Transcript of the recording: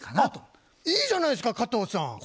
あっいいじゃないですか加藤さん。